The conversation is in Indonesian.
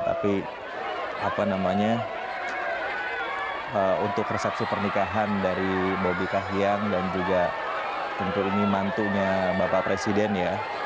tapi apa namanya untuk resepsi pernikahan dari bobi kahyang dan juga tentu ini mantunya bapak presiden ya